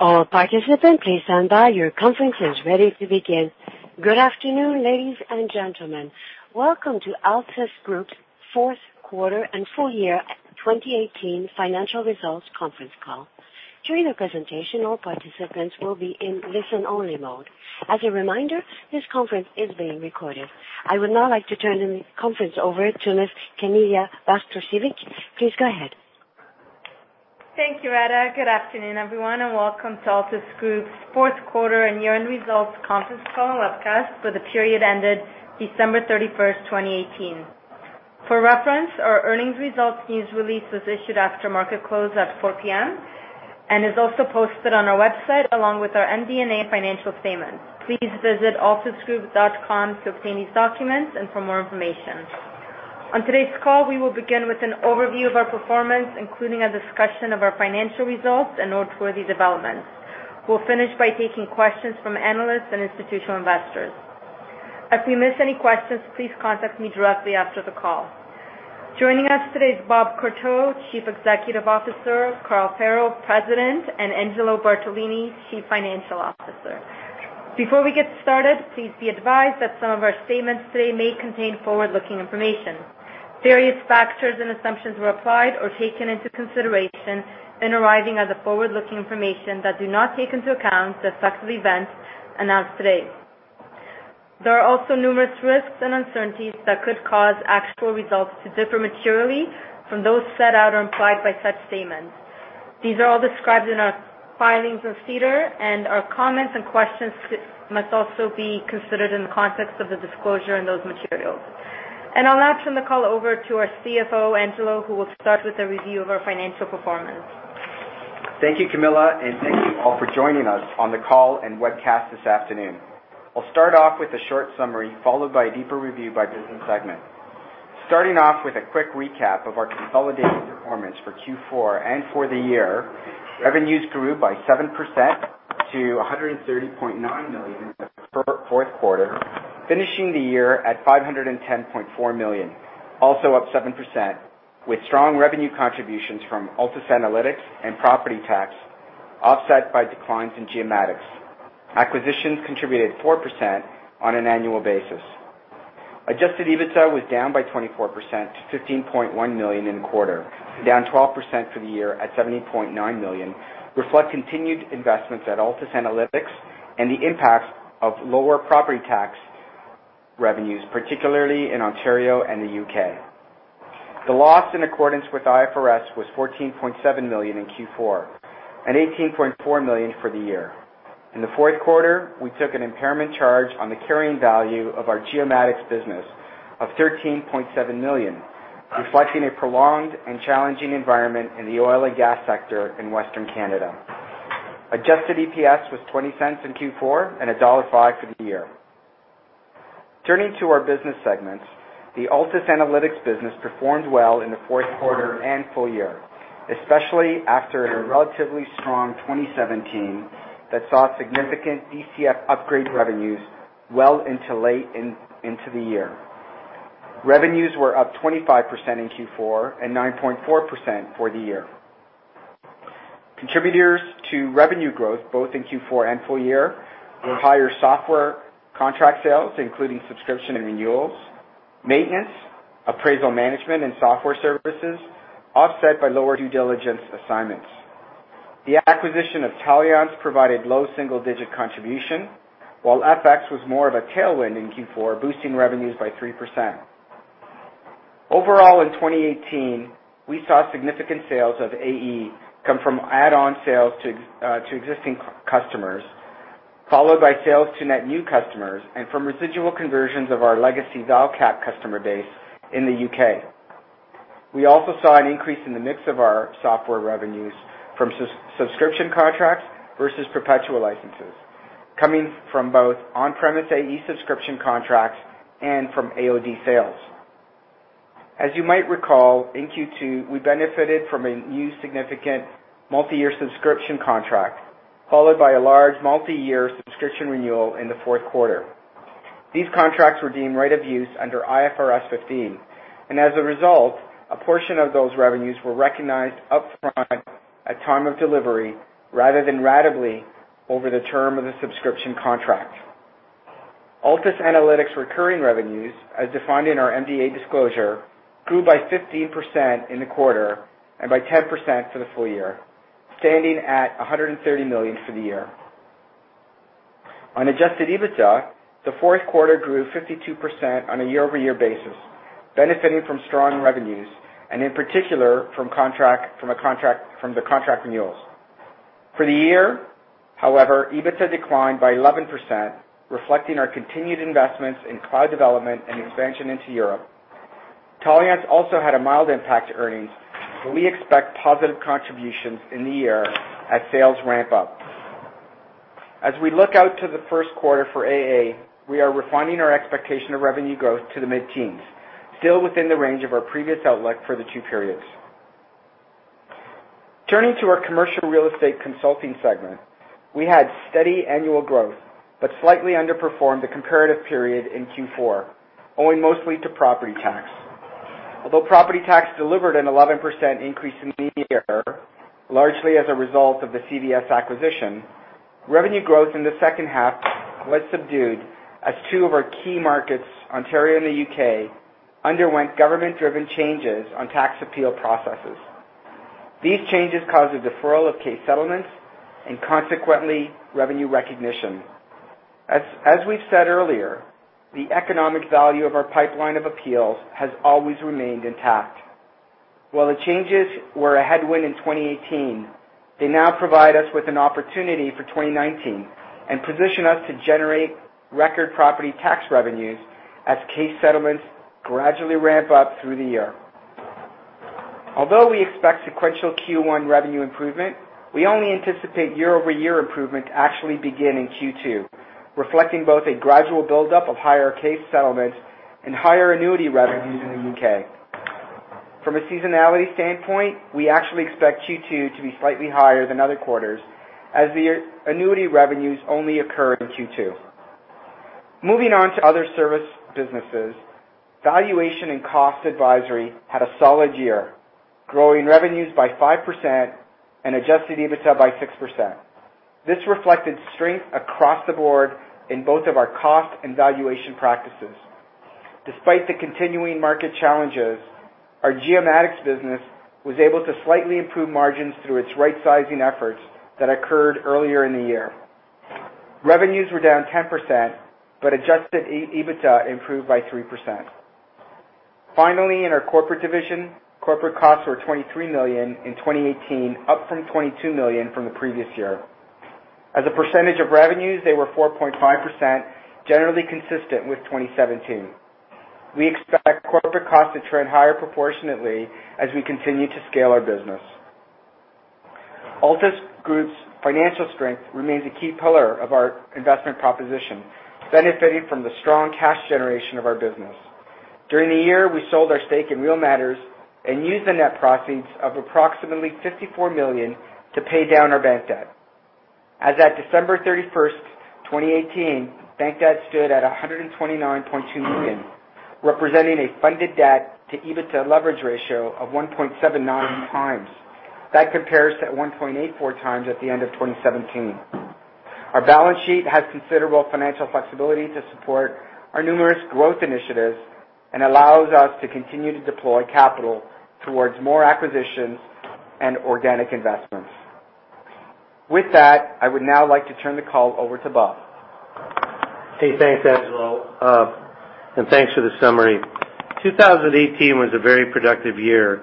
All participants, please stand by. Your conference is ready to begin. Good afternoon, ladies and gentlemen. Welcome to Altus Group's fourth quarter and full year 2018 financial results conference call. During the presentation, all participants will be in listen-only mode. As a reminder, this conference is being recorded. I would now like to turn the conference over to Ms. Camilla Bartosiewicz. Please go ahead. Thank you, Ada, and good afternoon, everyone, and welcome to Altus Group's fourth quarter and year-end results conference call and webcast for the period ended December 31st, 2018. For reference, our earnings results news release was issued after market close at 4:00 P.M. and is also posted on our website along with our MD&A financial statements. Please visit altusgroup.com to obtain these documents and for more information. On today's call, we will begin with an overview of our performance, including a discussion of our financial results and noteworthy developments. We'll finish by taking questions from analysts and institutional investors. If we miss any questions, please contact me directly after the call. Joining us today is Bob Courteau, Chief Executive Officer, Carl Farrell, President, and Angelo Bartolini, Chief Financial Officer. Before we get started, please be advised that some of our statements today may contain forward-looking information. Various factors and assumptions were applied or taken into consideration in arriving at the forward-looking information that do not take into account the successive events announced today. There are also numerous risks and uncertainties that could cause actual results to differ materially from those set out or implied by such statements. These are all described in our filings with SEDAR, and our comments and questions must also be considered in the context of the disclosure in those materials. I will now turn the call over to our CFO, Angelo, who will start with a review of our financial performance. Thank you, Camillia, and thank you all for joining us on the call and webcast this afternoon. I will start off with a short summary followed by a deeper review by business segment. Starting off with a quick recap of our consolidated performance for Q4 and for the year, revenues grew by 7% to 130.9 million for the fourth quarter, finishing the year at 510.4 million, also up 7%, with strong revenue contributions from Altus Analytics and Property Tax offset by declines in Geomatics. Acquisitions contributed 4% on an annual basis. Adjusted EBITDA was down by 24% to 15.1 million in the quarter, down 12% for the year at 70.9 million, reflect continued investments at Altus Analytics and the impact of lower property tax revenues, particularly in Ontario and the U.K. The loss in accordance with IFRS was 14.7 million in Q4 and 18.4 million for the year. In the fourth quarter, we took an impairment charge on the carrying value of our Geomatics business of 13.7 million, reflecting a prolonged and challenging environment in the oil and gas sector in Western Canada. Adjusted EPS was 0.20 in Q4 and dollar 1.05 for the year. Turning to our business segments, the Altus Analytics business performed well in the fourth quarter and full year, especially after a relatively strong 2017 that saw significant DCF upgrade revenues well into late into the year. Revenues were up 25% in Q4 and 9.4% for the year. Contributors to revenue growth both in Q4 and full year were higher software contract sales, including subscription and renewals, maintenance, appraisal management, and software services, offset by lower due diligence assignments. The acquisition of Taliance provided low single-digit contribution, while FX was more of a tailwind in Q4, boosting revenues by 3%. Overall, in 2018, we saw significant sales of AE come from add-on sales to existing customers, followed by sales to net new customers and from residual conversions of our legacy Valcap customer base in the U.K. We also saw an increase in the mix of our software revenues from subscription contracts versus perpetual licenses, coming from both on-premise AE subscription contracts and from AoD sales. As you might recall, in Q2, we benefited from a new significant multi-year subscription contract, followed by a large multi-year subscription renewal in the fourth quarter. These contracts were deemed right of use under IFRS 15, and as a result, a portion of those revenues were recognized upfront at time of delivery, rather than ratably over the term of the subscription contract. Altus Analytics recurring revenues, as defined in our MD&A disclosure, grew by 15% in the quarter and by 10% for the full year, standing at 130 million for the year. On adjusted EBITDA, the fourth quarter grew 52% on a year-over-year basis, benefiting from strong revenues, and in particular from the contract renewals. For the year, however, EBITDA declined by 11%, reflecting our continued investments in cloud development and expansion into Europe. Taliance also had a mild impact to earnings. We expect positive contributions in the year as sales ramp up. As we look out to the first quarter for AA, we are refining our expectation of revenue growth to the mid-teens, still within the range of our previous outlook for the two periods. Turning to our commercial real estate consulting segment, we had steady annual growth, but slightly underperformed the comparative period in Q4, owing mostly to property tax. Although property tax delivered an 11% increase in the year, largely as a result of the CVS acquisition, revenue growth in the second half was subdued as two of our key markets, Ontario and the U.K., underwent government-driven changes on tax appeal processes. These changes caused a deferral of case settlements and consequently, revenue recognition. As we've said earlier, the economic value of our pipeline of appeals has always remained intact. While the changes were a headwind in 2018, they now provide us with an opportunity for 2019, and position us to generate record property tax revenues as case settlements gradually ramp up through the year. Although, we expect sequential Q1 revenue improvement, we only anticipate year-over-year improvement to actually begin in Q2, reflecting both a gradual buildup of higher case settlements and higher annuity revenues in the U.K. From a seasonality standpoint, we actually expect Q2 to be slightly higher than other quarters as the annuity revenues only occur in Q2. Moving on to other service businesses, valuation and cost advisory had a solid year, growing revenues by 5% and adjusted EBITDA by 6%. This reflected strength across the board in both of our cost and valuation practices. Despite the continuing market challenges, our Geomatics business was able to slightly improve margins through its right-sizing efforts that occurred earlier in the year. Revenues were down 10%, but adjusted EBITDA improved by 3%. Finally, in our corporate division, corporate costs were 23 million in 2018, up from 22 million from the previous year. As a percentage of revenues, they were 4.5%, generally consistent with 2017. We expect corporate costs to trend higher proportionately as we continue to scale our business. Altus Group's financial strength remains a key pillar of our investment proposition, benefiting from the strong cash generation of our business. During the year, we sold our stake in Real Matters and used the net proceeds of approximately 54 million to pay down our bank debt. As at December 31st, 2018, the bank debt stood at 129.2 million, representing a funded debt to EBITDA leverage ratio of 1.79x. That compares to 1.84x at the end of 2017. Our balance sheet has considerable financial flexibility to support our numerous growth initiatives and allows us to continue to deploy capital towards more acquisitions and organic investments. With that, I would now like to turn the call over to Bob. Hey, thanks, Angelo, and thanks for the summary. 2018 was a very productive year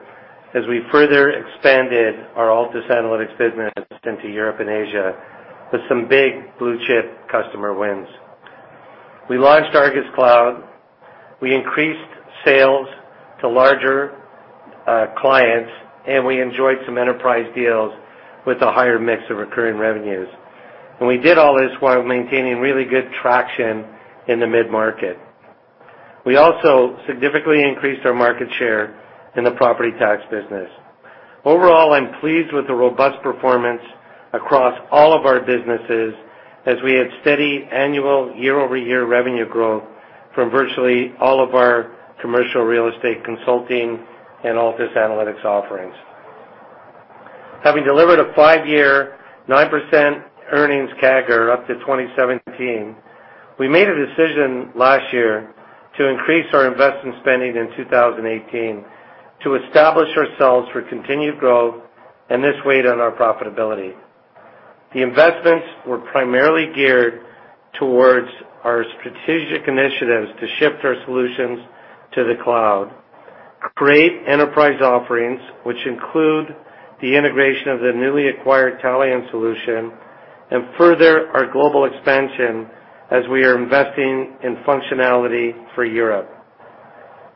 as we further expanded our Altus Analytics business into Europe and Asia with some big blue-chip customer wins. We launched ARGUS Cloud, we increased sales to larger clients, and we enjoyed some enterprise deals with a higher mix of recurring revenues, and we did all this while maintaining really good traction in the mid-market. We also significantly increased our market share in the property tax business. Overall, I'm pleased with the robust performance across all of our businesses as we had steady annual year-over-year revenue growth from virtually all of our commercial real estate consulting and Altus Analytics offerings. Having delivered a five-year, 9% earnings CAGR up to 2017, we made a decision last year to increase our investment spending in 2018 to establish ourselves for continued growth, and this weighed on our profitability. The investments were primarily geared towards our strategic initiatives to shift our solutions to the cloud, create enterprise offerings, which include the integration of the newly acquired Taliance solution, and further our global expansion as we are investing in functionality for Europe.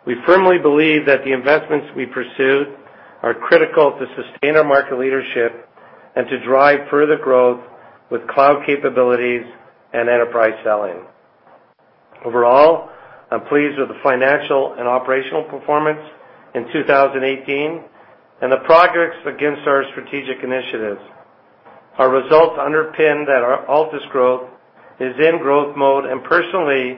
We firmly believe that the investments we pursued are critical to sustain our market leadership and to drive further growth with cloud capabilities and enterprise selling. Overall, I'm pleased with the financial and operational performance in 2018 and the progress against our strategic initiatives. Our results underpin that Altus Group is in growth mode, and personally,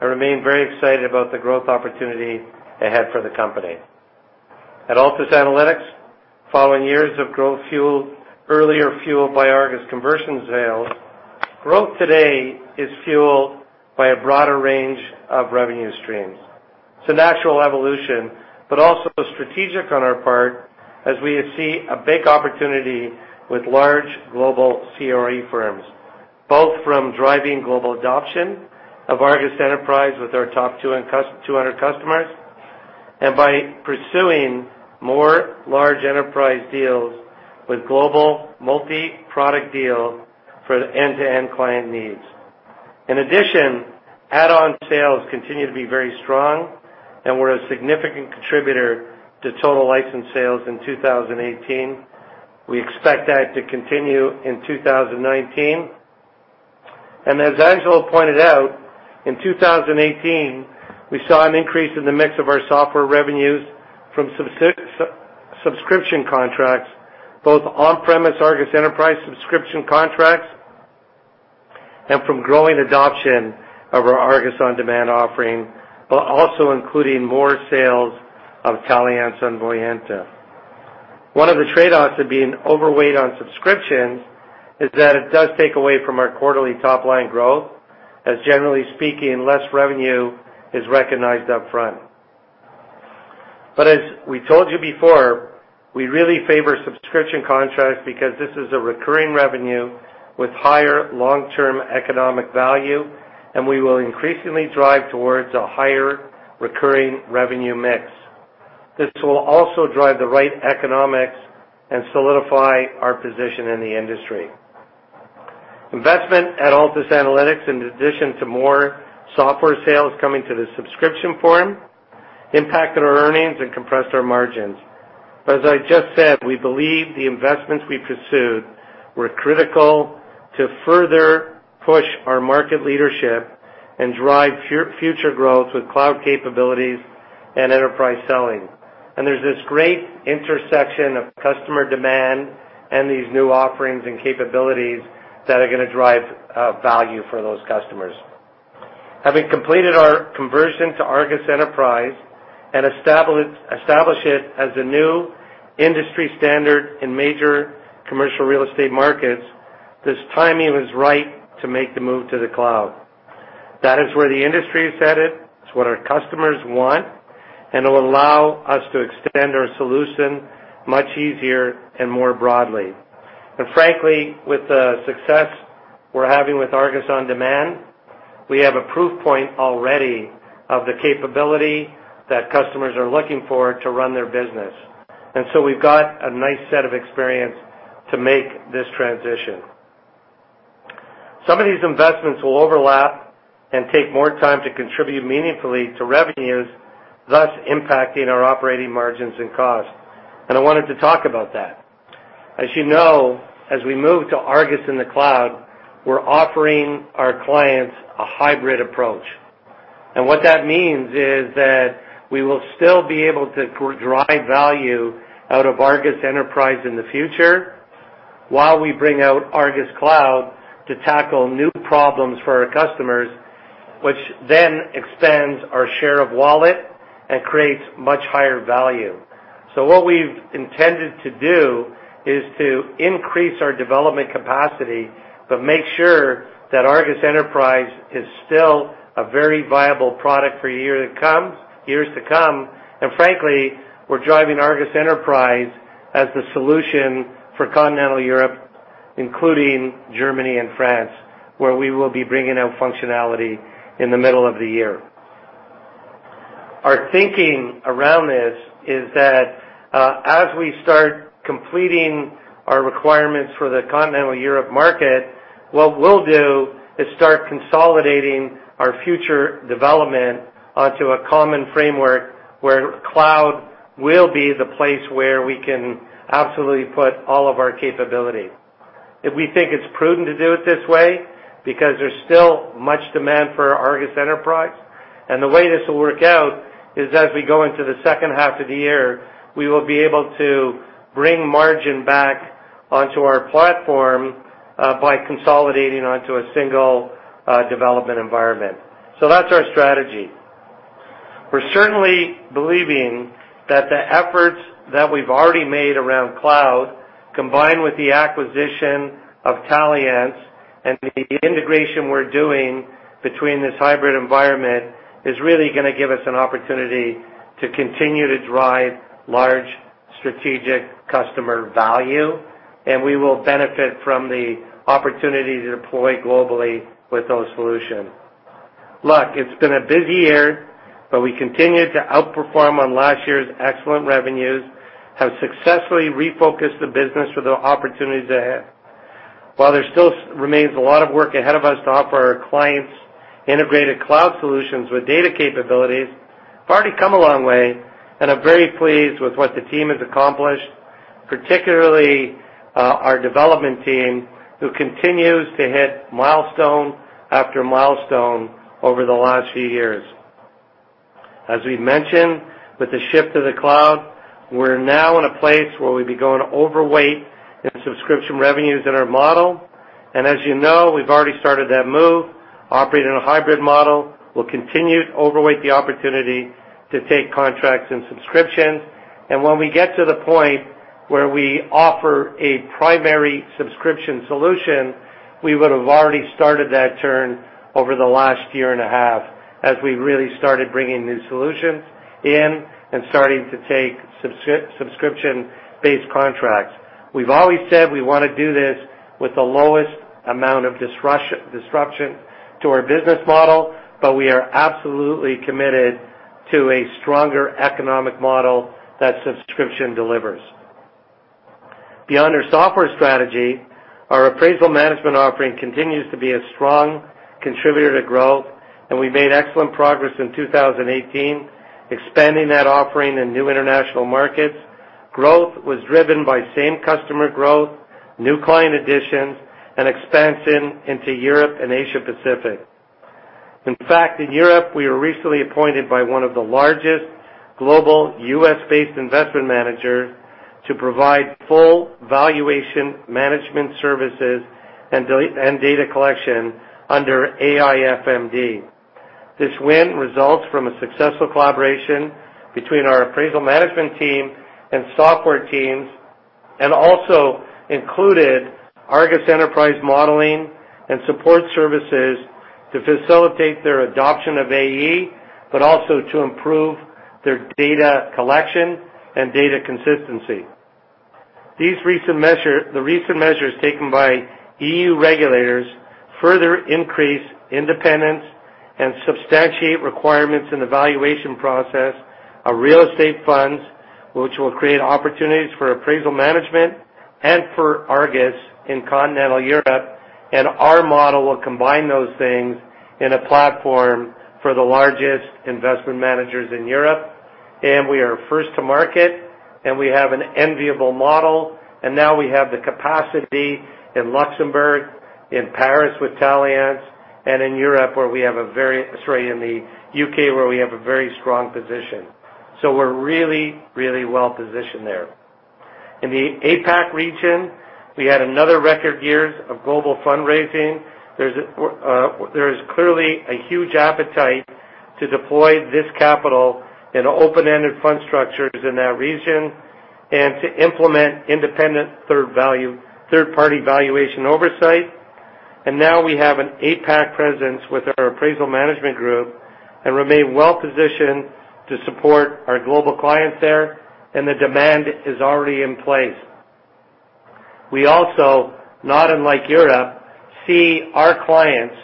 I remain very excited about the growth opportunity ahead for the company. At Altus Analytics, following years of growth fueled earlier fuel by ARGUS conversions sales, growth today is fueled by a broader range of revenue streams. It's a natural evolution, but also strategic on our part as we see a big opportunity with large global CRE firms, both from driving global adoption of ARGUS Enterprise with our top 200 customers and by pursuing more large enterprise deals with global multi-product deal for end-to-end client needs. In addition, add-on sales continue to be very strong, and were a significant contributor to total license sales in 2018. We expect that to continue in 2019, and as Angelo pointed out, in 2018, we saw an increase in the mix of our software revenues from subscription contracts, both on-premise ARGUS Enterprise subscription contracts and from growing adoption of our ARGUS On Demand offering, also including more sales of Taliance and Voyanta. One of the trade-offs of being overweight on subscriptions is that it does take away from our quarterly top-line growth, as generally speaking, less revenue is recognized upfront. As we told you before, we really favor subscription contracts because this is a recurring revenue with higher long-term economic value, and we will increasingly drive towards a higher recurring revenue mix. This will also drive the right economics and solidify our position in the industry. Investment at Altus Analytics, in addition to more software sales coming to the subscription form impacted our earnings and compressed our margins. As I just said, we believe the investments we pursued were critical to further push our market leadership and drive future growth with cloud capabilities and enterprise selling. There's this great intersection of customer demand and these new offerings and capabilities that are going to drive value for those customers. Having completed our conversion to ARGUS Enterprise and establish it as the new industry standard in major commercial real estate markets, this timing was right to make the move to the cloud. That is where the industry is headed, it's what our customers want, and it will allow us to extend our solution much easier and more broadly. Frankly, with the success we're having with ARGUS On Demand, we have a proof point already of the capability that customers are looking for to run their business. So we've got a nice set of experience to make this transition. Some of these investments will overlap and take more time to contribute meaningfully to revenues, thus impacting our operating margins and costs, and I wanted to talk about that. As you know, as we move to ARGUS Cloud, we're offering our clients a hybrid approach. What that means is that we will still be able to drive value out of ARGUS Enterprise in the future while we bring out ARGUS Cloud to tackle new problems for our customers, which then expands our share of wallet and creates much higher value. What we've intended to do is to increase our development capacity, but make sure that ARGUS Enterprise is still a very viable product for years to come. Frankly, we're driving ARGUS Enterprise as the solution for Continental Europe, including Germany and France, where we will be bringing out functionality in the middle of the year. Our thinking around this is that, as we start completing our requirements for the Continental Europe market, what we'll do is start consolidating our future development onto a common framework where cloud will be the place where we can absolutely put all of our capability. We think it's prudent to do it this way because there's still much demand for ARGUS Enterprise, and the way this will work out is as we go into the second half of the year, we will be able to bring ARGUS back onto our platform by consolidating onto a single development environment, so that's our strategy. We're certainly believing that the efforts that we've already made around cloud, combined with the acquisition of Taliance and the integration we're doing between this hybrid environment, is really going to give us an opportunity to continue to drive large strategic customer value, and we will benefit from the opportunity to deploy globally with those solutions. Look, it's been a busy year, but we continued to outperform on last year's excellent revenues, have successfully refocused the business for the opportunities ahead. While there still remains a lot of work ahead of us to offer our clients integrated cloud solutions with data capabilities, we've already come a long way, and are very pleased with what the team has accomplished, particularly, our development team, who continues to hit milestone after milestone over the last few years. As we've mentioned, with the shift to the cloud, we're now in a place where we'll be going overweight in subscription revenues in our model, and as you know, we've already started that move, operating a hybrid model. We'll continue to overweight the opportunity to take contracts and subscriptions. When we get to the point where we offer a primary subscription solution, we would have already started that turn over the last year and a half as we really started bringing new solutions in and starting to take subscription-based contracts. We've always said we want to do this with the lowest amount of disruption to our business model, but we are absolutely committed to a stronger economic model that subscription delivers. Beyond our software strategy, our appraisal management offering continues to be a strong contributor to growth, and we made excellent progress in 2018 expanding that offering in new international markets. Growth was driven by same-customer growth, new client additions, and expansion into Europe and Asia Pacific. In fact, in Europe, we were recently appointed by one of the largest global U.S.-based investment manager to provide full valuation management services and data collection under AIFMD. This win results from a successful collaboration between our appraisal management team and software teams, and also, included ARGUS Enterprise modeling and support services to facilitate their adoption of AE, but also to improve their data collection and data consistency. The recent measures taken by EU regulators further increase independence and substantiate requirements in the valuation process of real estate funds, which will create opportunities for appraisal management and for ARGUS in continental Europe, and our model will combine those things in a platform for the largest investment managers in Europe. We are first to market, and we have an enviable model. Now we have the capacity in Luxembourg, in Paris with Taliance, and in the U.K. where we have a very strong position, so we're really, really well-positioned there. In the APAC region, we had another record year of global fundraising. There is clearly a huge appetite to deploy this capital in open-ended fund structures in that region and to implement independent third-party valuation oversight. Now we have an APAC presence with our appraisal management group and remain well-positioned to support our global clients there, and the demand is already in place. We also, not unlike Europe, see our clients,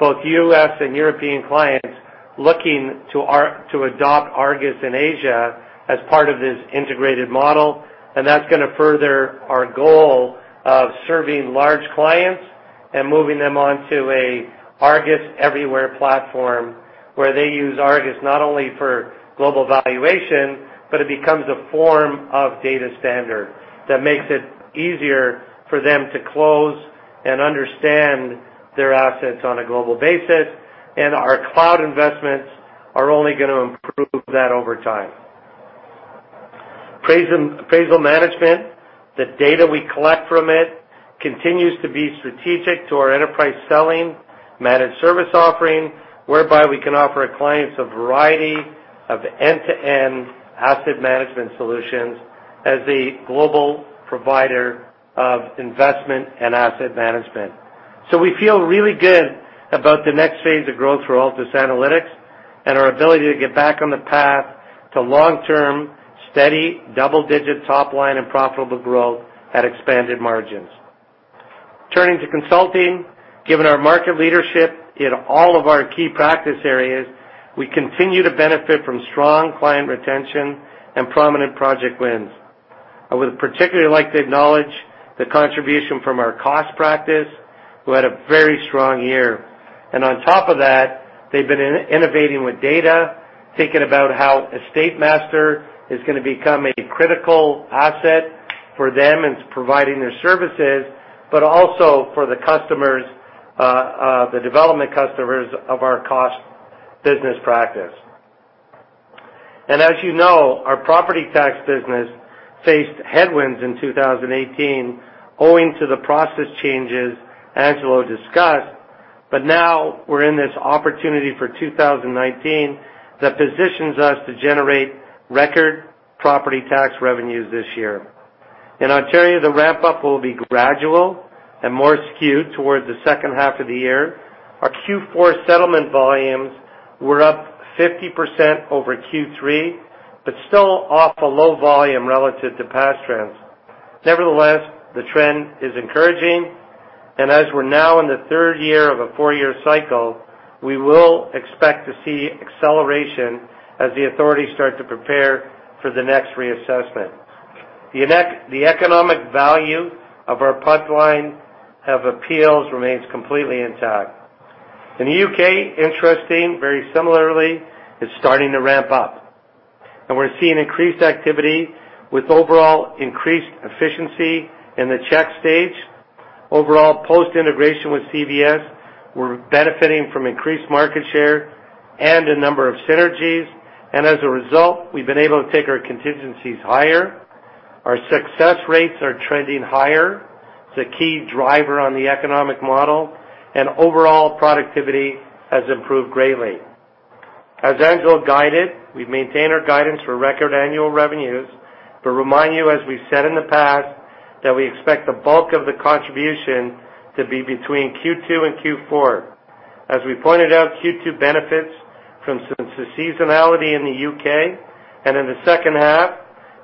both U.S. and European clients, looking to adopt ARGUS in Asia as part of this integrated model, and that's going to further our goal of serving large clients and moving them onto an ARGUS everywhere platform where they use ARGUS not only for global valuation, but it becomes a form of data standard that makes it easier for them to close and understand their assets on a global basis. Our cloud investments are only going to improve that over time. Appraisal management, the data we collect from it continues to be strategic to our enterprise selling managed service offering, whereby we can offer our clients a variety of end-to-end asset management solutions as a global provider of investment and asset management. We feel really good about the next phase of growth for Altus Analytics and our ability to get back on the path to long-term, steady, double-digit top-line and profitable growth at expanded margins. Turning to consulting, given our market leadership in all of our key practice areas, we continue to benefit from strong client retention and prominent project wins. I would particularly like to acknowledge the contribution from our cost practice, who had a very strong year. On top of that, they've been innovating with data, thinking about how EstateMaster is going to become a critical asset for them in providing their services, but also, for the customers, the development customers of our cost business practice. As you know, our property tax business faced headwinds in 2018 owing to the process changes Angelo discussed, but now we're in this opportunity for 2019 that positions us to generate record property tax revenues this year. In Ontario, the ramp-up will be gradual and more skewed towards the second half of the year. Our Q4 settlement volumes were up 50% over Q3, but still off a low volume relative to past trends. Nevertheless, the trend is encouraging, and as we're now in the third year of a four-year cycle, we will expect to see acceleration as the authorities start to prepare for the next reassessment. The economic value of our pipeline of appeals remains completely intact. In the U.K., interesting, very similarly, it's starting to ramp up, and we're seeing increased activity with overall increased efficiency in the check stage. Overall, post-integration with CVS, we're benefiting from increased market share, and a number of synergies. As a result, we've been able to take our contingencies higher. Our success rates are trending higher. It's a key driver on the economic model, and overall productivity has improved greatly. As Angelo guided, we've maintained our guidance for record annual revenues, but remind you, as we've said in the past, that we expect the bulk of the contribution to be between Q2 and Q4. As we pointed out, Q2 benefits from some seasonality in the U.K., and in the second half,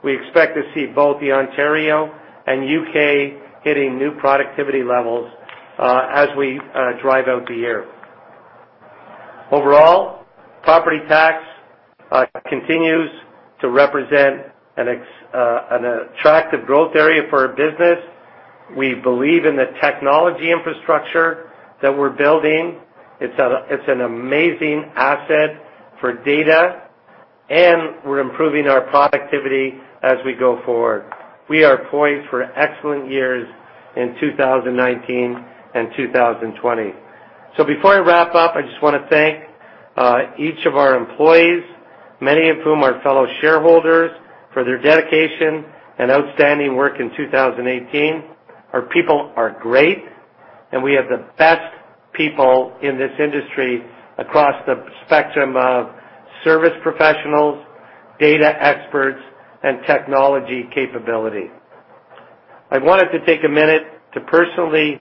we expect to see both the Ontario and U.K. hitting new productivity levels as we drive out the year. Overall, property tax continues to represent an attractive growth area for our business. We believe in the technology infrastructure that we're building. It's an amazing asset for data, and we're improving our productivity as we go forward. We are poised for excellent years in 2019 and 2020. Before I wrap up, I just want to thank each of our employees, many of whom are fellow shareholders, for their dedication and outstanding work in 2018. Our people are great, and we have the best people in this industry across the spectrum of service professionals, data experts, and technology capability. I wanted to take a minute to personally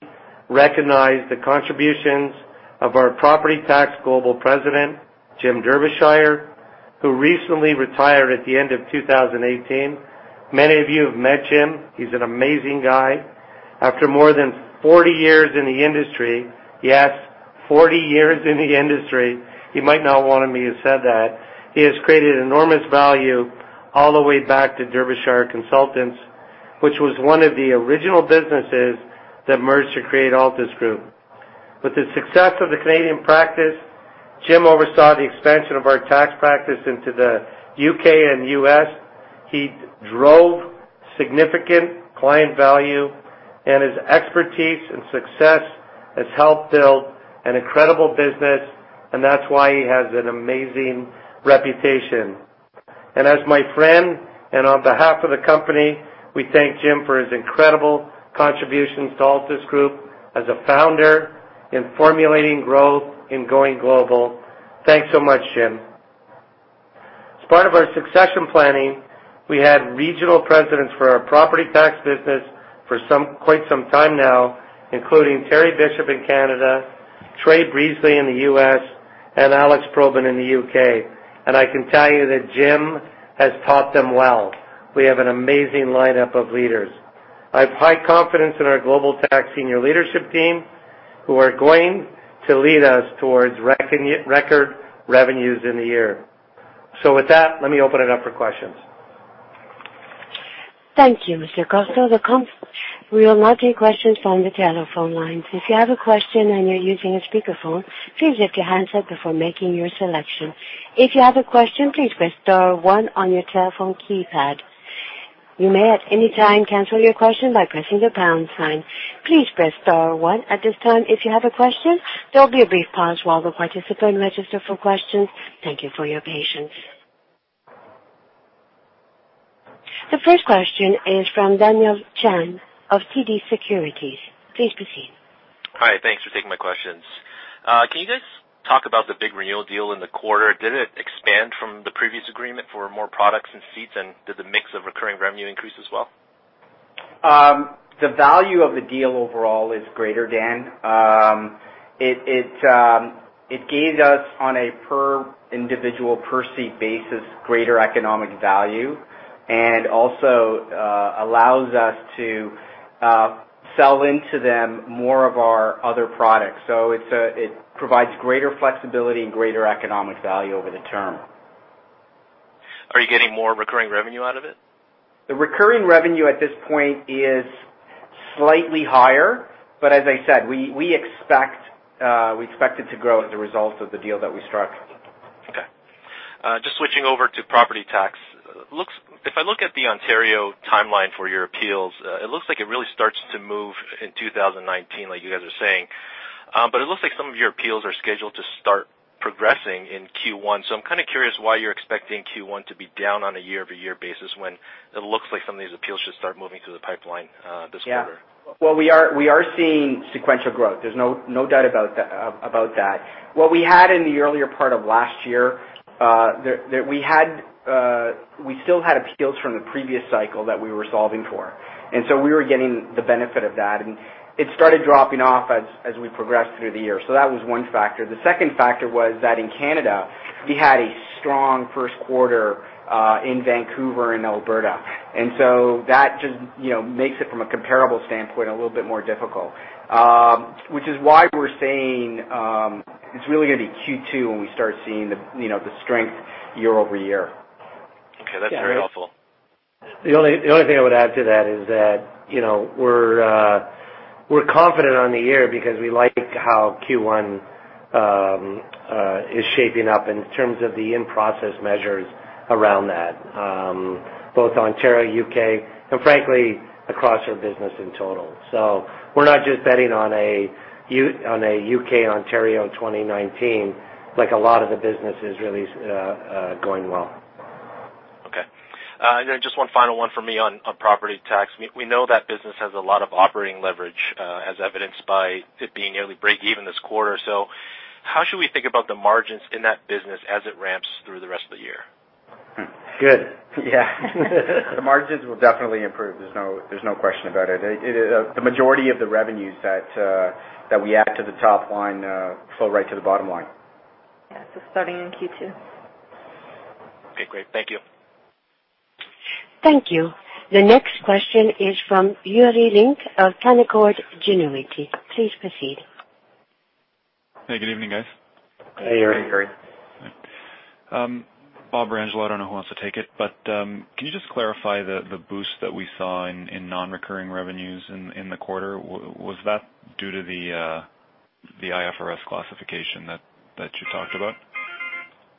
recognize the contributions of our Property Tax Global President, Jim Derbyshire, who recently retired at the end of 2018. Many of you have met Jim. He's an amazing guy. After more than 40 years in the industry, yes, 40 years in the industry, he might not want me to have said that, he has created enormous value all the way back to Derbyshire Consultants, which was one of the original businesses that merged to create Altus Group. With the success of the Canadian practice, Jim oversaw the expansion of our tax practice into the U.K. and U.S. He drove significant client value, and his expertise and success has helped build an incredible business, and that's why he has an amazing reputation. As my friend and on behalf of the company, we thank Jim for his incredible contributions to Altus Group as a founder in formulating growth in going global, thanks so much, Jim. As part of our succession planning, we had regional presidents for our property tax business for quite some time now, including Terry Bishop in Canada, Trey Beasley in the U.S., and Alex Probyn in the U.K., and I can tell you that Jim has taught them well. We have an amazing lineup of leaders. I have high confidence in our global tax senior leadership team, who are going to lead us towards record revenues in the year. With that, let me open it up for questions. Thank you, Mr. Courteau. We will now take questions from the telephone lines. If you have a question and you're using a speakerphone, please mute your handset before making your selection. If you have a question, please press star one on your telephone keypad. You may at any time cancel your question by pressing the pound sign. Please press star one at this time if you have a question. There will be a brief pause while the participant register for questions. Thank you for your patience. The first question is from Daniel Chan of TD Securities. Please proceed. Hi, thanks for taking my questions. Can you guys talk about the big renewal deal in the quarter? Did it expand from the previous agreement for more products and seats and did the mix of recurring revenue increase as well? The value of the deal overall is greater, Dan. It gave us on a per individual, per seat basis, greater economic value, and also allows us to sell into them more of our other products. It provides greater flexibility and greater economic value over the term. Are you getting more recurring revenue out of it? The recurring revenue at this point is slightly higher, as I said, we expect it to grow as a result of the deal that we struck. Okay, just switching over to property tax. If I look at the Ontario timeline for your appeals, it looks like it really starts to move in 2019, like you guys are saying. It looks like some of your appeals are scheduled to start progressing in Q1. I'm kind of curious why you're expecting Q1 to be down on a year-over-year basis when it looks like some of these appeals should start moving through the pipeline this quarter. Yeah. Well, we are seeing sequential growth. There's no doubt about that. What we had in the earlier part of last year, we still had appeals from the previous cycle that we were solving for. We were getting the benefit of that, and it started dropping off as we progressed through the year, so that was one factor. The second factor was that in Canada, we had a strong first quarter in Vancouver and Alberta, and so that just makes it from a comparable standpoint, a little bit more difficult, which is why we're saying it's really going to be Q2 when we start seeing, you know, the strength year-over-year. Okay, that's very helpful. The only thing I would add to that is that we're confident on the year because we like how Q1 is shaping up in terms of the in-process measures around that, both Ontario, U.K., and frankly, across our business in total. We're not just betting on a U.K., Ontario 2019, like a lot of the business is really going well. Okay, and just one final one for me on Property Tax, we know that business has a lot of operating leverage, as evidenced by it being nearly break even this quarter. How should we think about the margins in that business as it ramps through the rest of the year? Good. Yeah, the margins will definitely improve. There's no question about it. The majority of the revenues that we add to the top line flow right to the bottom line. Yeah, so starting in Q2. Okay, great, thank you. Thank you. The next question is from Yuri Lynk of Canaccord Genuity. Please proceed. Hey, good evening, guys. Hey, Yuri. Hi, Yuri. Bob or Angelo, I don't know who wants to take it, but can you just clarify the boost that we saw in non-recurring revenues in the quarter? Was that due to the IFRS classification that you talked about?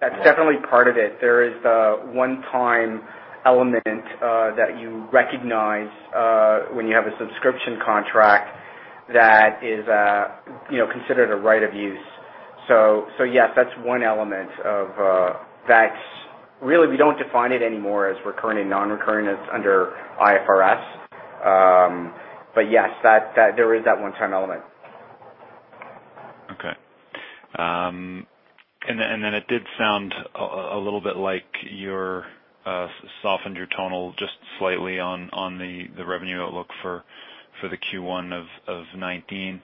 That's definitely part of it. There is the one-time element that you recognize when you have a subscription contract that is a, you know, considered a right of use, so yes, that's one element of that. Really, we don't define it anymore as recurring, non-recurring, it's under IFRS, but yes, there is that one-time element. Okay. It did sound a little bit like you softened your tonal just slightly on the revenue outlook for the Q1 of 2019.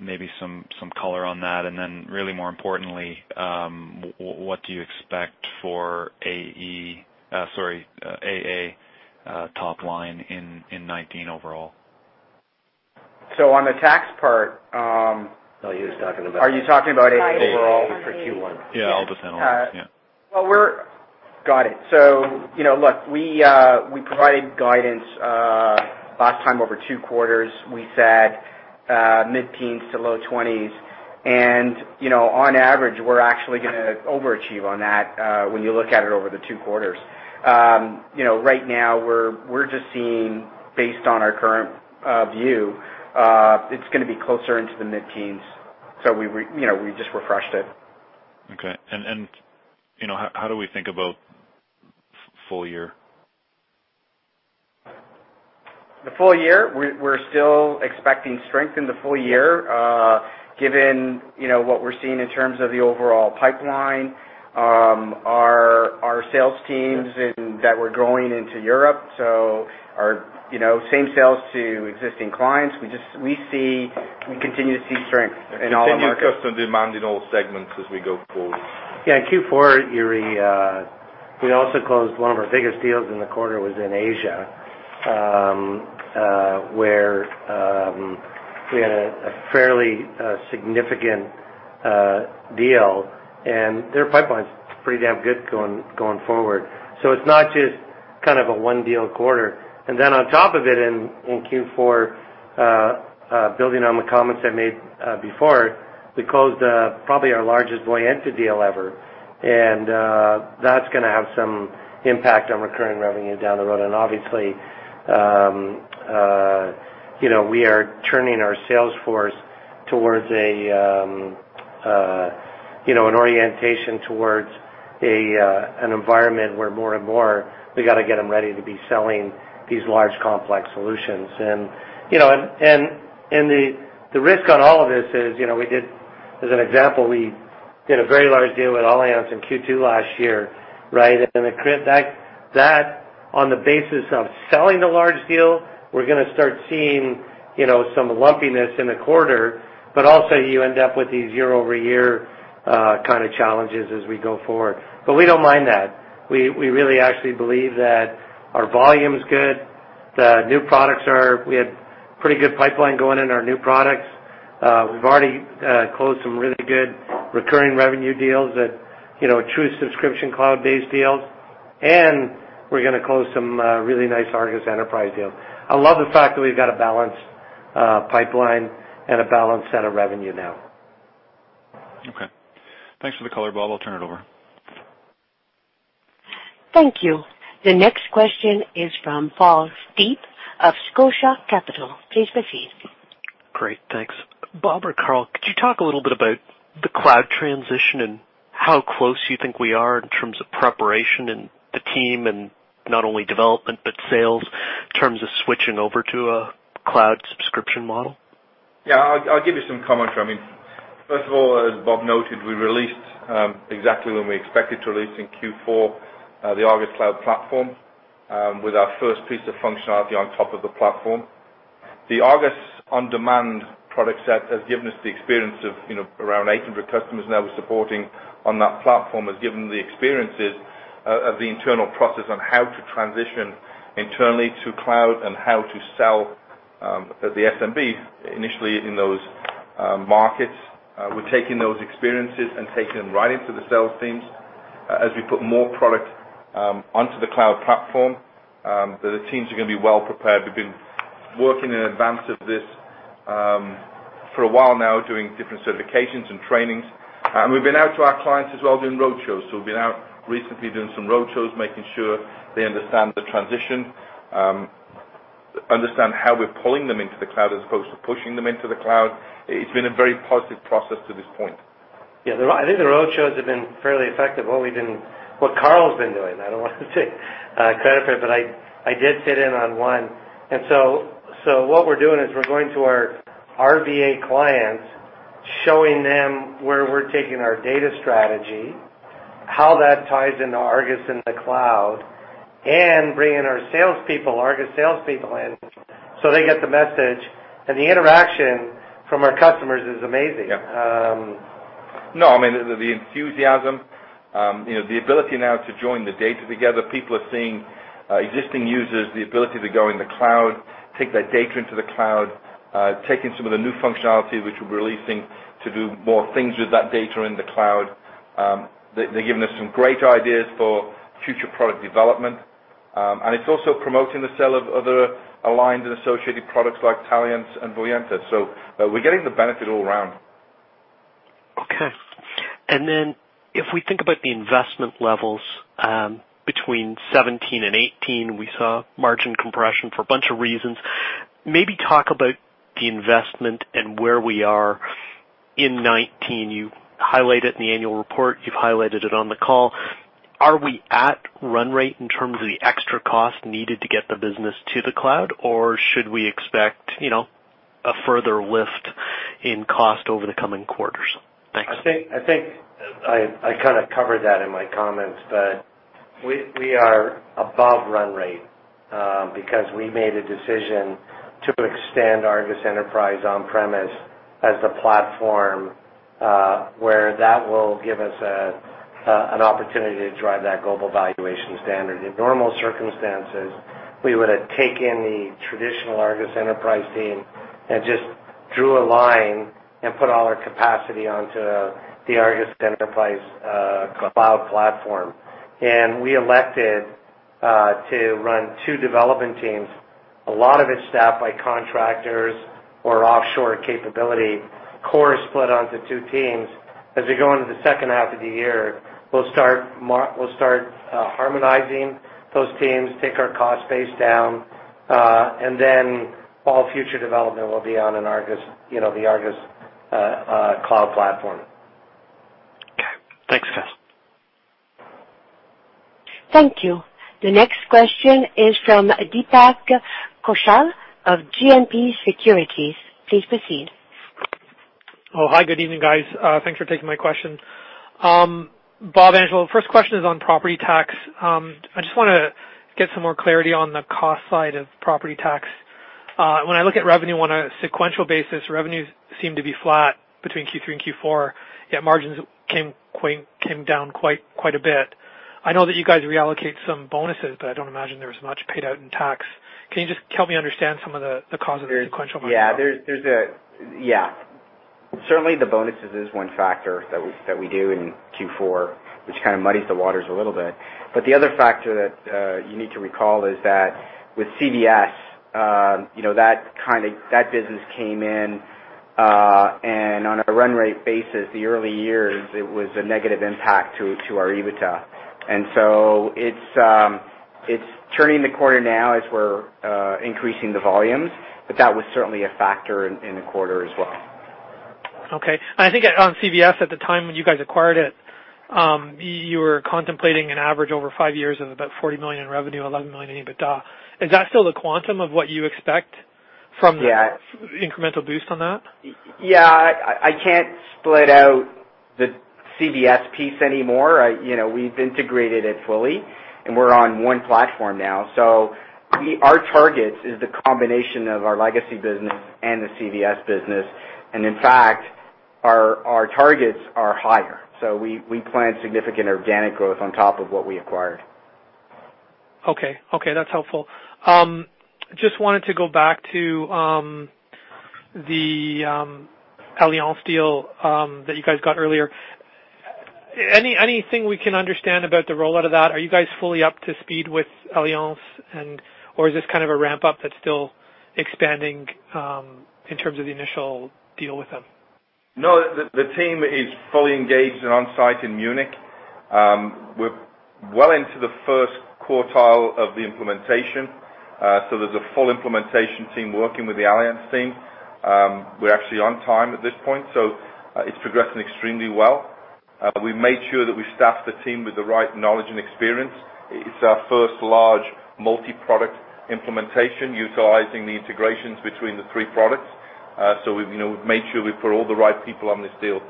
Maybe some color on that, and then really more importantly, what do you expect for AA top line in 2019 overall? On the tax part. No, he was talking about. Are you talking about AE overall? For Q1? Yeah, I'll just hang on. Yeah. Got it, you know, look, we provided guidance last time over two quarters. We said mid-teens to low 20s and, you know, on average, we're actually going to overachieve on that when you look at it over the two quarters. Right now, we're just seeing, based on our current view, it's going to be closer into the mid-teens so, you know, we just refreshed it. Okay. How do we think about full year? The full year, we're still expecting strength in the full year given, you know, what we're seeing in terms of the overall pipeline, our sales teams, and that we're growing into Europe. Our same sales to existing clients, we continue to see strength in all our markets. Continued custom demand in all segments as we go forward. Yeah, in Q4, Yuri, we also closed one of our biggest deals in the quarter was in Asia, where we had a fairly significant deal, and their pipeline's pretty damn good going forward. It's not just kind of a one-deal quarter. On top of it in Q4, building on the comments I made before, we closed probably our largest Voyanta deal ever, and that's going to have some impact on recurring revenue down the road. Obviously, you know, we are turning our sales force towards an orientation towards an environment where more and more we got to get them ready to be selling these large complex solutions. The risk on all of this is, you know, we did as an example, we did a very large deal with Allianz in Q2 last year, right, and accrued that debt, on the basis of selling the large deal, we're going to start seeing some lumpiness in the quarter, also you end up with these year-over-year kind of challenges as we go forward. We don't mind that. We really actually believe that our volume's good. The new products. We have pretty good pipeline going in our new products. We've already closed some really good recurring revenue deals that, you know, true subscription cloud-based deals, we're going to close some really nice ARGUS Enterprise deals. I love the fact that we've got a balanced pipeline and a balanced set of revenue now. Okay. Thanks for the color, Bob. I'll turn it over. Thank you. The next question is from Paul Steep of Scotia Capital. Please proceed. Great, thanks. Bob or Carl, could you talk a little bit about the cloud transition, and how close you think we are in terms of preparation and the team, not only development, but sales in terms of switching over to a cloud subscription model? I'll give you some commentary. First of all, as Bob noted, we released exactly when we expected to release in Q4, the ARGUS Cloud platform, with our first piece of functionality on top of the platform. The ARGUS On Demand product set has given us the experience of, you know, around 800 customers now we're supporting on that platform, has given the experiences of the internal process on how to transition internally to cloud and how to sell the SMBs initially in those markets. We're taking those experiences and taking them right into the sales teams. As we put more product onto the cloud platform, the teams are going to be well prepared. They've been working in advance of this for a while now, doing different certifications and trainings. We've been out to our clients as well doing road shows. We've been out recently doing some road shows, making sure they understand the transition, understand how we're pulling them into the cloud as opposed to pushing them into the cloud. It's been a very positive process to this point. Yeah, I think the road shows have been fairly effective, what Carl has been doing. I don't want to take credit for it, but I did sit in on one. What we're doing is we're going to our RVA clients, showing them where we're taking our data strategy, how that ties into ARGUS in the cloud, and bringing our salespeople, ARGUS salespeople in, so they get the message, and the interaction from our customers is amazing. Yeah, I mean, whether the enthusiasm, you know, the ability now to join the data together. People are seeing existing users, the ability to go in the cloud, take that data into the cloud, taking some of the new functionality which we're releasing to do more things with that data in the cloud. They're giving us some great ideas for future product development. It's also promoting the sale of other aligned and associated products like Taliance and Voyanta. We're getting the benefit all around. Okay. Then if we think about the investment levels between 2017 and 2018, we saw margin compression for a bunch of reasons, maybe talk about the investment and where we are in 2019. You highlight it in the annual report, you've highlighted it on the call. Are we at run rate in terms of the extra cost needed to get the business to the cloud, or should we expect, you know, a further lift in cost over the coming quarters? Thanks. I think I covered that in my comments. We are above run rate because we made a decision to extend ARGUS Enterprise on-premise as the platform, where that will give us an opportunity to drive that global valuation standard. In normal circumstances, we would have taken the traditional ARGUS Enterprise team and just drew a line and put all our capacity onto the ARGUS Enterprise Cloud platform. We elected to run two development teams, a lot of it's staffed by contractors or offshore capability, core is split onto two teams. As we go into the second half of the year, we'll start harmonizing those teams, take our cost base down, and then all future development will be on the ARGUS Cloud platform. Okay. Thanks, guys. Thank you. The next question is from Deepak Kaushal of GMP Securities. Please proceed. Oh, hi. Good evening, guys. Thanks for taking my question. Bob, Angelo, first question is on property tax. I just want to get some more clarity on the cost side of property tax. When I look at revenue on a sequential basis, revenues seem to be flat between Q3 and Q4, yet margins came down quite a bit. I know that you guys reallocate some bonuses, but I don't imagine there was much paid out in tax. Can you just help me understand some of the cause of the sequential? Yeah, certainly, the bonuses is one factor that we do in Q4, which muddies the waters a little bit. The other factor that you need to recall is that with CVS, you know, that business came in, and on a run rate basis, the early years, it was a negative impact to our EBITDA. It's turning the quarter now as we're increasing the volumes, but that was certainly a factor in the quarter as well. Okay. I think on CVS at the time when you guys acquired it, you were contemplating an average over five years of about 40 million in revenue, 11 million in EBITDA. Is that still the quantum of what you expect from the incremental boost on that? Yeah, I can't split out the CVS piece anymore, you know, we've integrated it fully, and we're on one platform now. Our targets is the combination of our legacy business and the CVS business. In fact, our targets are higher, so we plan significant organic growth on top of what we acquired. Okay, okay, that's helpful. Just wanted to go back to the Allianz deal that you guys got earlier. Anything we can understand about the rollout of that? Are you guys fully up to speed with Allianz? Is this kind of a ramp-up that's still expanding in terms of the initial deal with them? No, the team is fully engaged and on-site in Munich. We're well into the first quartile of the implementation, there's a full implementation team working with the Allianz team. We're actually on time at this point, so it's progressing extremely well. We've made sure that we staff the team with the right knowledge and experience. It's our first large multi-product implementation utilizing the integrations between the three products. We've made sure we put all the right people on this deal.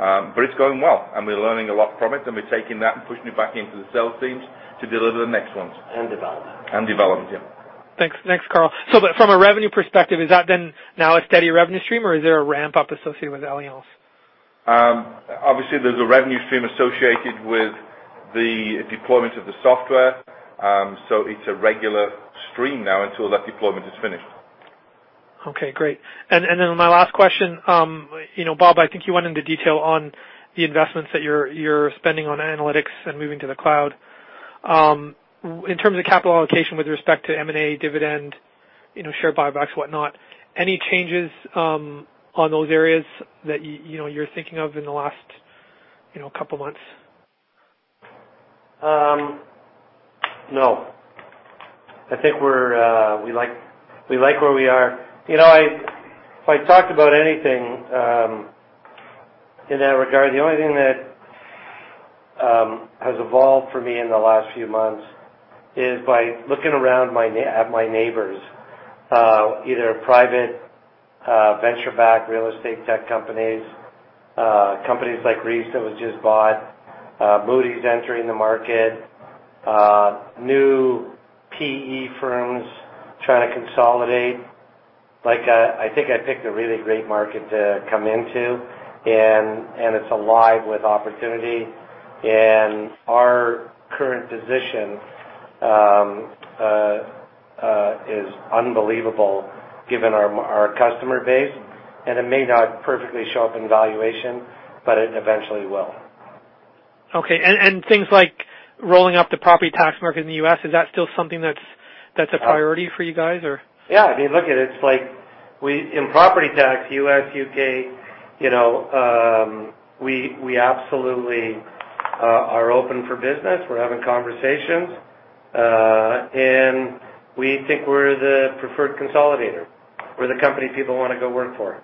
It's going well, and we're learning a lot from it, and we're taking that and pushing it back into the sales teams to deliver the next ones. Development. Development, yeah. Thanks. Next, Carl, from a revenue perspective, is that then now a steady revenue stream, or is there a ramp-up associated with Allianz? Obviously, there's a revenue stream associated with the deployment of the software, so it's a regular stream now until that deployment is finished. Okay, great, and then my last question. Bob, I think you went into detail on the investments that you're spending on analytics and moving to the cloud. In terms of capital allocation with respect to M&A, dividend, you know, share buybacks, whatnot, any changes on those areas that, you know, you're thinking of in the last couple of months? No, I think we like where we are. If I talked about anything in that regard, the only thing that has evolved for me in the last few months is by looking around at my neighbors, either private venture-backed real estate tech companies, companies like REIX that was just bought, Moody's entering the market, new PE firms trying to consolidate. I think I picked a really great market to come into and it's alive with opportunity. Our current position is unbelievable given our customer base, and it may not perfectly show up in valuation, but it eventually will. Okay, and things like rolling up the property tax market in the U.S., is that still something that's a priority for you guys or? Yeah. I mean, look, it's like in property tax, U.S., U.K., you know, we absolutely are open for business. We're having conversations. We think we're the preferred consolidator. We're the company people want to go work for.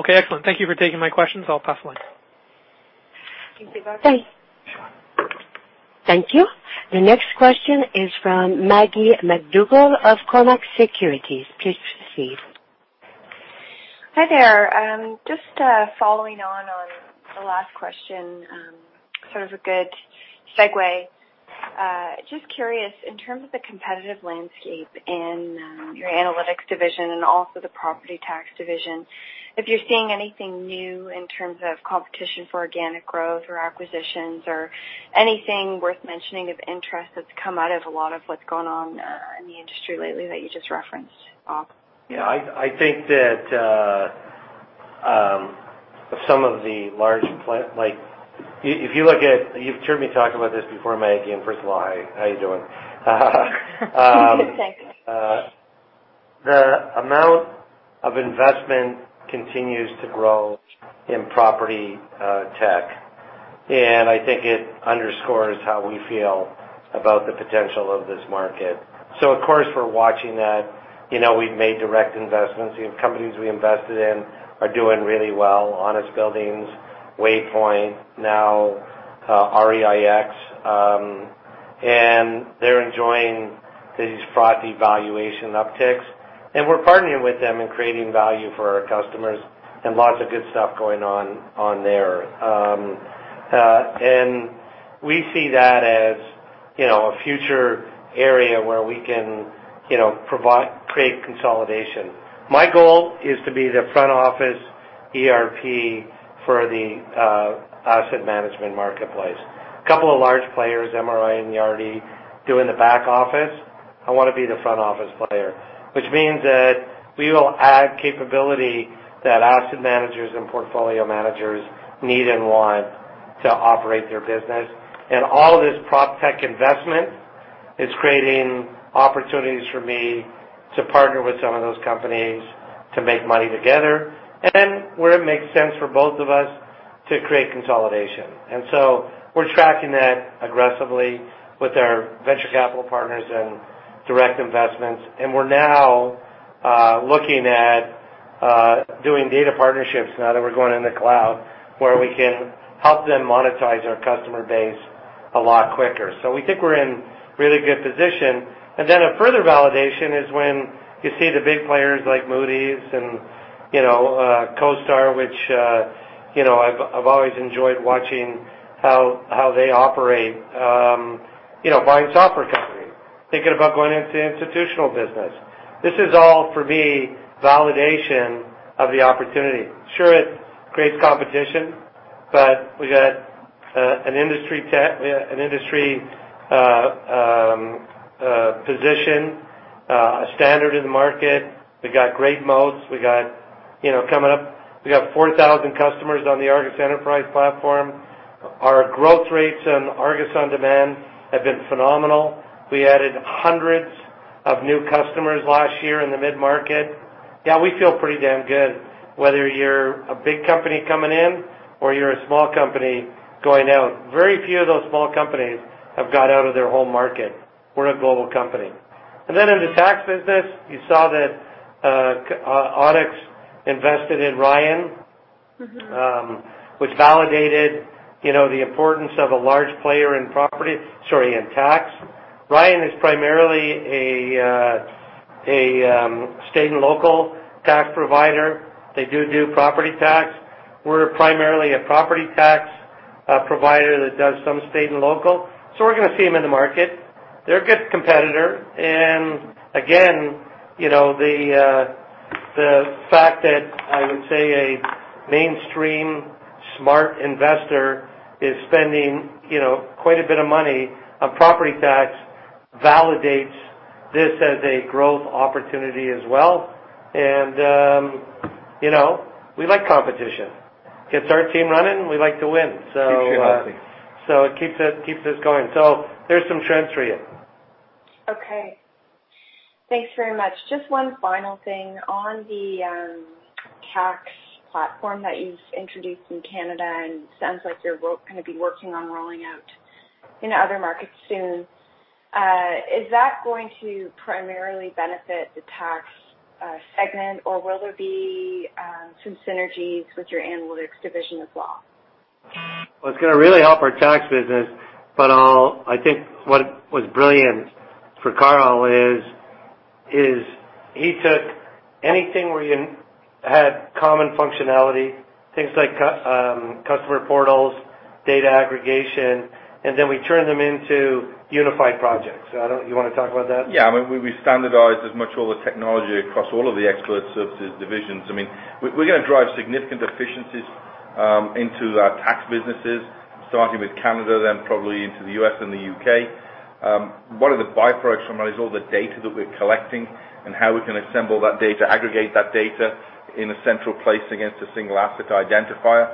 Okay, excellent, thank you for taking my questions. I'll pass the line. Thank you. The next question is from Maggie MacDougall of Cormark Securities. Please proceed. Hi there, just following on the last question, sort of a good segue. I'm just curious, in terms of the competitive landscape in your Analytics division and also the property tax division, if you're seeing anything new in terms of competition for organic growth or acquisitions or anything worth mentioning of interest that's come out of a lot of what's gone on in the industry lately that you just referenced off. Yeah, I think that, like you've heard me talk about this before, Maggie, and first of all, hi. How you doing? Thanks. The amount of investment continues to grow in property tech, and I think it underscores how we feel about the potential of this market so, of course, we're watching that. We've made direct investments. The companies we invested in are doing really well, Honest Buildings, Waypoint, now REIX. They're enjoying these fraught valuation upticks, and we're partnering with them in creating value for our customers, and lots of good stuff going on there. We see that as, you know, a future area where we can, you know, create consolidation. My goal is to be the front office ERP for the asset management marketplace. A couple of large players, MRI and Yardi, do in the back office, I want to be the front office player, which means that we will add capability that asset managers and portfolio managers need and want to operate their business. All of this prop tech investment is creating opportunities for me to partner with some of those companies to make money together, and where it makes sense for both of us to create consolidation. We're tracking that aggressively with our venture capital partners and direct investments, and we're now looking at doing data partnerships now that we're going in the cloud, where we can help them monetize our customer base a lot quicker. We think we're in really good position. A further validation is when you see the big players like Moody's and, you know, CoStar, which I've always enjoyed watching how they operate, you know, buying software companies, thinking about going into the institutional business. This is all, for me, validation of the opportunity. Sure, it creates competition, but we got an industry position, a standard in the market. We got great moats coming up. We got 4,000 customers on the ARGUS Enterprise platform. Our growth rates on ARGUS On Demand have been phenomenal. We added 100s of new customers last year in the mid-market. Yeah, we feel pretty damn good, whether you're a big company coming in or you're a small company going out. Very few of those small companies have got out of their home market. We're a global company. In the tax business, you saw that Audax invested in Ryan which validated, you know, the importance of a large player in tax. Ryan is primarily a state and local tax provider. They do new property tax. We're primarily a property tax provider that does some state and local. We're going to see them in the market. They're a good competitor, and again, you know, the fact that I would say a mainstream smart investor is spending, you know, quite a bit of money on property tax validates this as a growth opportunity as well and, you know, we like competition, gets our team running, and w like to win. Exactly. It keeps us going. There's some trends for you. Okay, thanks very much, and just one final thing. On the tax platform that you've introduced in Canada, and it sounds like you're going to be working on rolling out in other markets soon, is that going to primarily benefit the tax segment, or will there be some synergies with your Altus Analytics division as well? It's going to really help our tax business, but I think what was brilliant for Carl is he took anything where you had common functionality, things like customer portals, data aggregation, and then we turned them into unified projects. You want to talk about that? Yeah, we standardized all the technology across all of the expert services divisions. We're going to drive significant efficiencies into our tax businesses, starting with Canada, then probably into the U.S. and the U.K. One of the byproducts from that is all the data that we're collecting and how we can assemble that data, aggregate that data in a central place against a single asset identifier.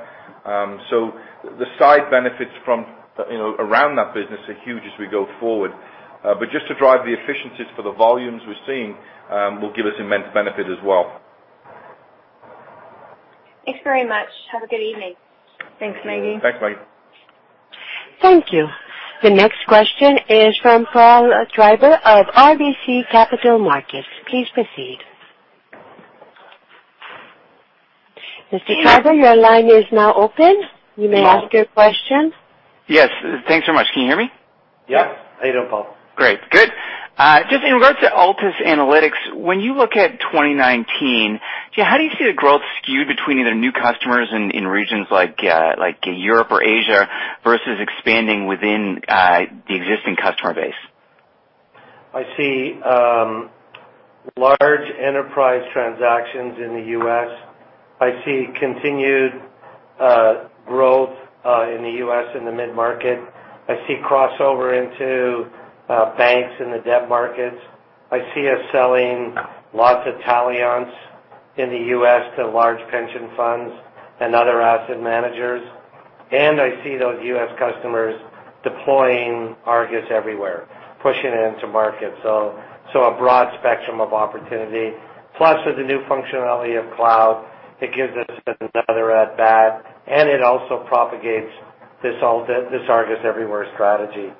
The side benefits from around that business are huge as we go forward, but just to drive the efficiencies for the volumes we're seeing will give us immense benefit as well. Thanks very much. Have a good evening. Thanks, Maggie. Thanks, Maggie. Thank you. The next question is from Paul Treiber of RBC Capital Markets. Please proceed. Mr. Treiber, your line is now open. You may ask your question. Yes. Thanks so much. Can you hear me? Yes. How you doing, Paul? Great, good, just in regards to Altus Analytics, when you look at 2019, how do you see the growth skewed between either new customers in regions like Europe or Asia versus expanding within the existing customer base? I see large enterprise transactions in the U.S. I see continued growth in the U.S. in the mid-market. I see crossover into banks in the debt markets. I see us selling lots of Taliance in the U.S. to large pension funds and other asset managers. I see those U.S. customers deploying ARGUS everywhere, pushing it into market, so a broad spectrum of opportunity. With the new functionality of cloud, it gives us another at-bat, and it also propagates this ARGUS Everywhere strategy.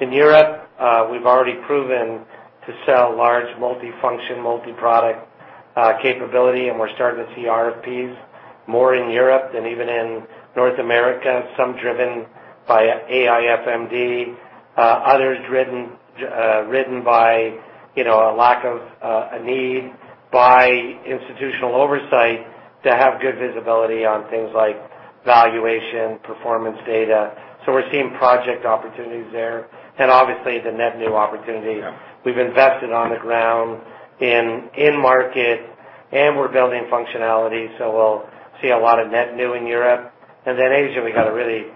In Europe, we've already proven to sell large multifunction, multi-product capability, and we're starting to see RFPs more in Europe than even in North America, some driven by AIFMD, others driven by a lack of a need by institutional oversight to have good visibility on things like valuation, performance data, so we're seeing project opportunities there. Obviously, the net new opportunity. Yeah. We've invested on the ground in market, and we're building functionality, so we'll see a lot of net new in Europe. Then Asia, we got a really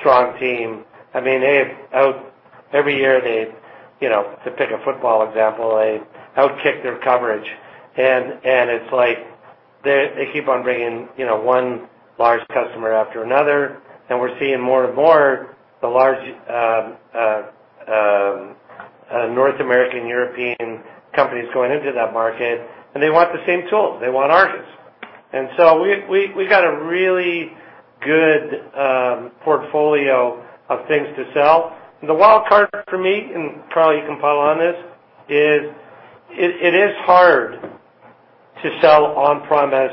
strong team. I mean, every year, to pick a football example, they outkick their coverage, and it's like they keep on bringing one large customer after another. We're seeing more and more the large North American, European companies going into that market, and they want the same tool, they want ARGUS. We got a really good portfolio of things to sell. The wild card for me, and Paul, you can pile on this, is it is hard to sell on-premise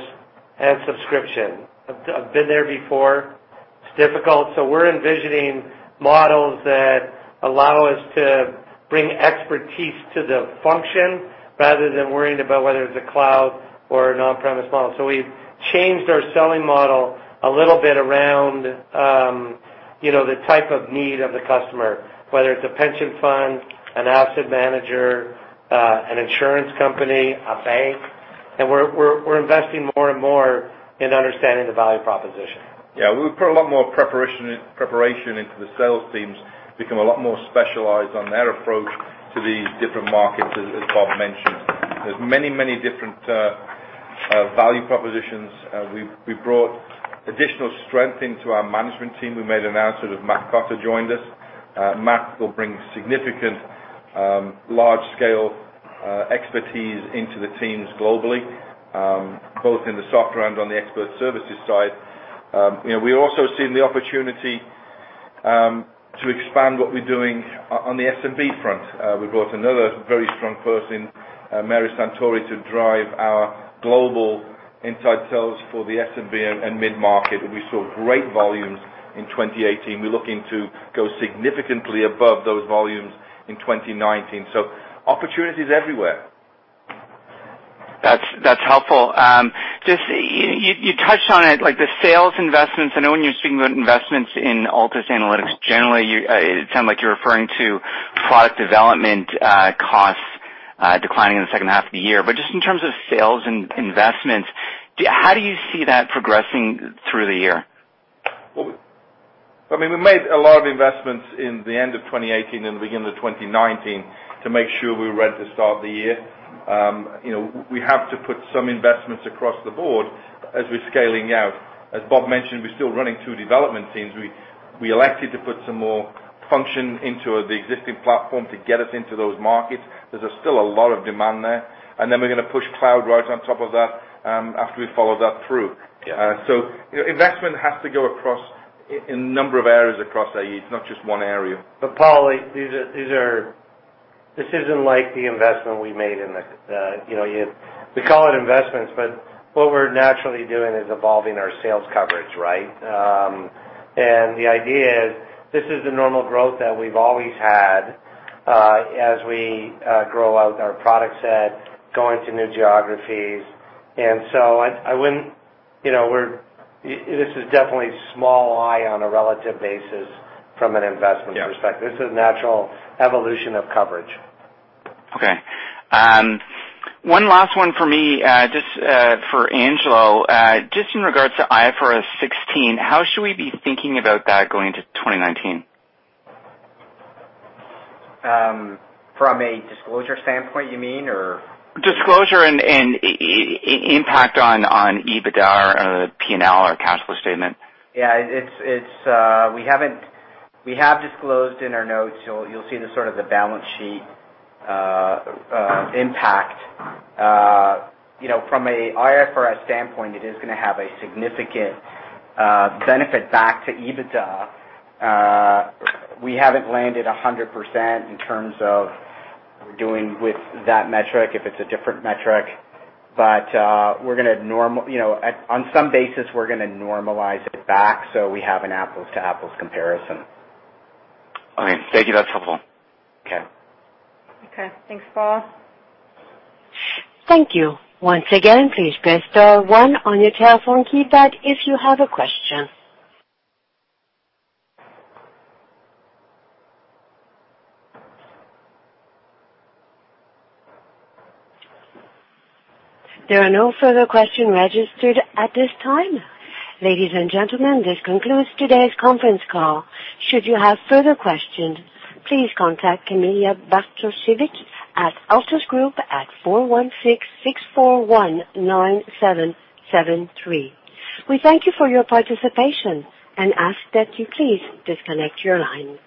and subscription. I've been there before. It's difficult. We're envisioning models that allow us to bring expertise to the function rather than worrying about whether it's a cloud or an on-premise model. We've changed our selling model a little bit around the type of need of the customer, whether it's a pension fund, an asset manager, an insurance company, a bank, and we're investing more and more in understanding the value proposition. Yeah, we've put a lot more preparation into the sales teams, become a lot more specialized on their approach to these different markets, as Bob mentioned. There's many, many different value propositions. We've brought additional strength into our management team and we made an announcement of Matt Potter joined us. Matt will bring significant large-scale expertise into the teams globally, both in the software and on the expert services side. We're also seeing the opportunity to expand what we're doing on the SMB front. We brought another very strong person, Mary Santoro, to drive our global insight sales for the SMB and mid-market. We saw great volumes in 2018. We're looking to go significantly above those volumes in 2019, so opportunities everywhere. That's helpful, just, you know, you touched on it, like the sales investments. I know when you're speaking about investments in Altus Analytics, generally, it sounded like you're referring to product development costs declining in the second half of the year, but just in terms of sales and investments, how do you see that progressing through the year? Well, I mean, we made a lot of investments in the end of 2018 and the beginning of 2019 to make sure we were ready to start the year. We have to put some investments across the board as we're scaling out. As Bob mentioned, we're still running two development teams. We elected to put some more function into the existing platform to get us into those markets, because there's still a lot of demand there. We're going to push cloud right on top of that after we follow that through. Yeah. Investment has to go across in a number of areas across AE. It's not just one area. Paul, this isn't like the investment we made in it. We call it investments, but what we're naturally doing is evolving our sales coverage, right? The idea is this is the normal growth that we've always had as we grow out our product set, go into new geographies, and so, you know, this is definitely small eye on a relative basis from an investment perspective. Yeah. This is natural evolution of coverage. Okay. One last one for me, just for Angelo, just in regards to IFRS 16, how should we be thinking about that going into 2019? From a disclosure standpoint, you mean, or? Disclosure and impact on EBITDA or P&L or cash flow statement. Yeah. We have disclosed in our notes, so you'll see the sort of the balance sheet impact. From an IFRS standpoint, it is going to have a significant benefit back to EBITDA. We haven't landed 100% in terms of we're doing with that metric, if it's a different metric, but on some basis, we're going to normalize it back so we have an apples to apples comparison. Okay, thank you, that's helpful. Okay. Okay. Thanks, Paul. Thank you. Once again, please press star one on your telephone keypad if you have a question. There are no further questions registered at this time. Ladies and gentlemen, this concludes today's conference call. Should you have further questions, please contact Camilla Bartosiewicz at Altus Group at 416-641-9773. We thank you for your participation and ask that you, please, disconnect your line.